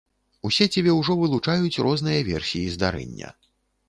У сеціве ўжо вылучаюць розныя версіі здарэння.